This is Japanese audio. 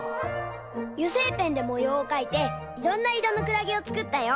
ゆせいペンでもようをかいていろんないろのくらげをつくったよ！